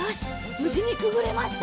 ぶじにくぐれました！